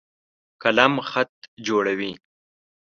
قلم خط جوړوي.